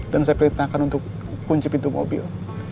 dan saya perintahkan untuk kunci pintu mobil